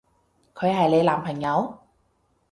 佢係你男朋友？